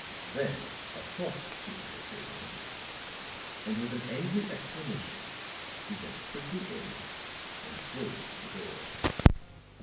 Then a thought seemed to occur to him, and with an angry exclamation he went quickly in and closed the door.